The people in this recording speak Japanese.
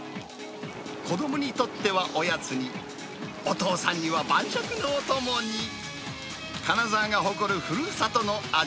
子どもにとってはおやつに、お父さんには晩酌のお供に、金沢が誇るふるさとの味。